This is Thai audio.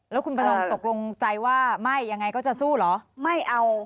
แล้วคุณประนอมตกลงใจว่าไม่ยังไงก็จะสู้เหรอไม่เอา